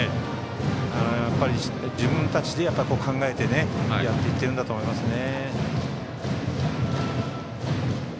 やっぱり自分たちで考えてやっていってるんだと思いますね。